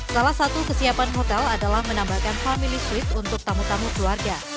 salah satu kesiapan hotel adalah menambahkan family street untuk tamu tamu keluarga